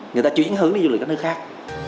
người ta chuyển hướng đi du lịch các nước khác